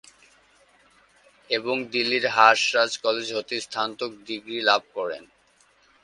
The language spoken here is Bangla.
এবং দিল্লির হাঁস রাজ কলেজ হতে স্নাতক ডিগ্রি লাভ করেন।